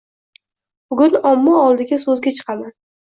Bugun omma oldiga so'zga chiqaman.